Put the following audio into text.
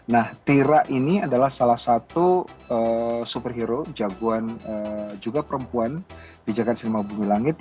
nah tira ini adalah salah satu superhero jagoan juga perempuan bijakan seniman bumi langit